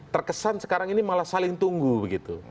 terkesan sekarang ini malah saling tunggu begitu